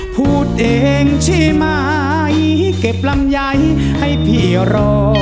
พูดเองใช่ไหมเก็บลำไยให้พี่รอ